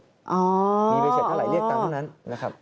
มีใบเสร็จเท่าไหเรียกตามเท่านั้นนะครับ